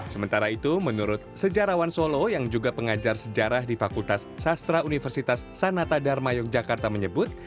sementara itu menurut sejarawan solo yang juga pengajar sejarah di fakultas sastra universitas sanata dharma yogyakarta menyebut